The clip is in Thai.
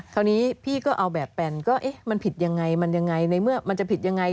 ตอนนี้พี่ก็เอาแบบแปลนก็มันผิดยังไงมันจะผิดยังไง